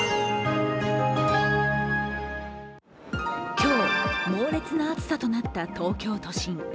今日、猛烈な暑さとなった東京都心。